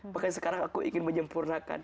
bahkan sekarang aku ingin menyempurnakan